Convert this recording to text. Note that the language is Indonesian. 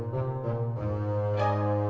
nah menurut kamu gimana